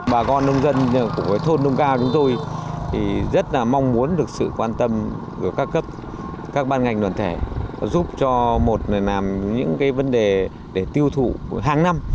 bà con nông dân của thôn đông cao chúng tôi thì rất là mong muốn được sự quan tâm của các cấp các ban ngành đoàn thể giúp cho một người làm những vấn đề để tiêu thụ hàng năm